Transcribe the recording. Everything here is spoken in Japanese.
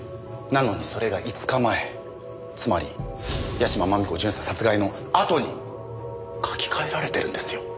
なのにそれが５日前つまり屋島真美子巡査殺害のあとに書き換えられてるんですよ。